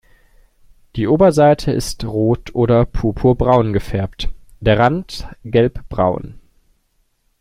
Die Oberseite ist rot oder purpurbraun gefärbt, der Rand gelbbraun.